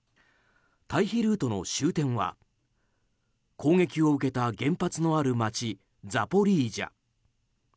退避ルートの終点は攻撃を受けた原発のある街ザポリージャ。